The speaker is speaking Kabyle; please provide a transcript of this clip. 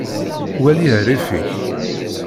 Wali rrif-ik.